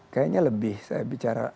kayaknya lebih saya bicara